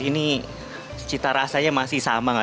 ini cita rasanya masih sama nggak